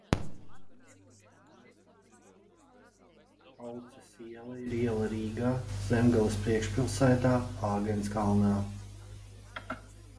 Auces iela ir iela Rīgā, Zemgales priekšpilsētā, Āgenskalnā.